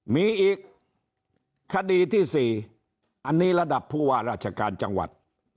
มีอีกคดีที่๔อันนี้ระดับผู้ว่าราชการจังหวัด